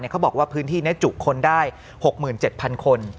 เขาบอกว่าพื้นที่นี้จุคนได้๖๗๐๐คน